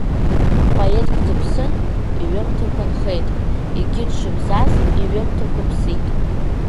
Поетк дыԥсын, иҩымҭақәа нхеит, егьи дшыбзаз иҩымҭақәа ԥсит.